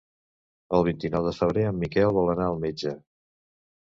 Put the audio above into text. El vint-i-nou de febrer en Miquel vol anar al metge.